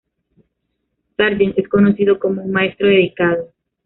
Sargent es conocido como un maestro dedicado.